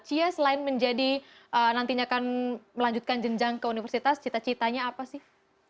cia selain menjadi nantinya akan melanjutkan jenjang ke universitas cita citanya apa sih